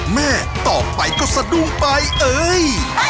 แม่ต่อไปก็สะดุ้งไปเอ้ย